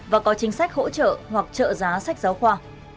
và có chính sách hỗ trợ hoặc trợ giá sách giáo khoa